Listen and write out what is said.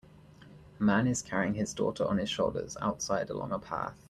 A man is carrying his daughter on his shoulders outside along a path.